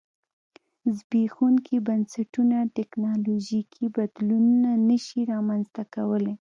زبېښونکي بنسټونه ټکنالوژیکي بدلونونه نه شي رامنځته کولای.